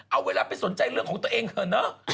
เอาเวลาไปสนใจเรื่องของตัวเองเถอะเนอะ